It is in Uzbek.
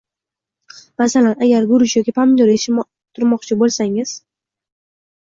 Masalan, agar guruch yoki pomidor yetishtirmoqchi bo‘lsangiz